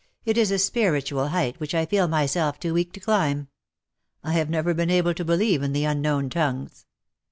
It is a spiritual height which I feel myself too weak to climb. I have never been able to believe in the unknown tongues."